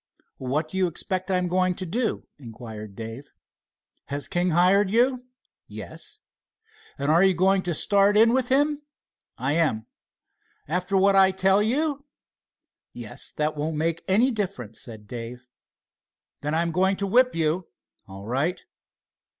"What do you expect I'm going to do?" inquired Dave. "Has King hired you?" "Yes." "And you're going to start in with him?" "I am." "After what I tell you?" "Yes, that won't make any difference," said Dave. "Then I'm going to whip you." "All right."